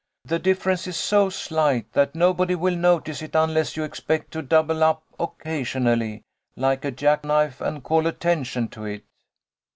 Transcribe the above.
"The difference is so slight that nobody will notice it unless you expect to double up occasion ally like a jack knife and call attention to it."